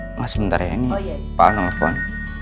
tunggu sebentar ya pak al nelfon